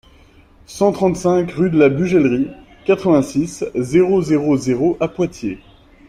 cent trente-cinq rue de la Bugellerie, quatre-vingt-six, zéro zéro zéro à Poitiers